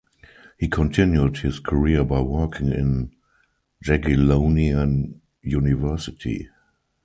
He continued his career by working in Jagiellonian University.